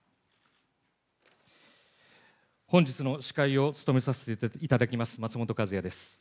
本日の司会を務めさせていただきますまつもとかずやです。